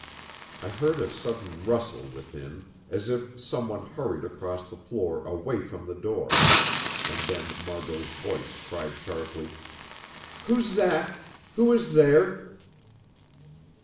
I heard a sudden rustle within, as if someone hurried across the floor away from the door, and then Margot's voice cried sharply: "Who's that? Who is there?"